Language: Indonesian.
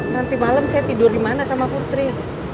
nanti malem saya tidur dimana sama putri